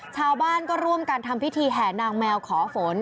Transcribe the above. ชาวบ้านก็ร่วมกันทำพิธีแห่นางแมวขอฝน